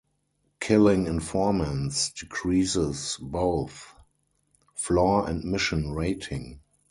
Killing Informants decreases both Floor and Mission Rating.